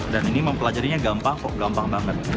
dan ini mempelajarinya gampang kok gampang banget